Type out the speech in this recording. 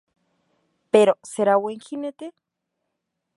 Pero, ¿será buen jinete?